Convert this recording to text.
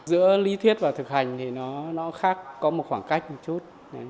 giữa lý thuyết và thực hành thì nó khác có một khoảng cách một chút